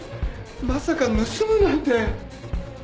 まさか盗むなんて。